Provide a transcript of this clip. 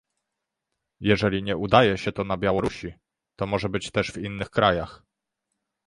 Jeżeli nie udaje się to na Białorusi, to może być też w innych krajach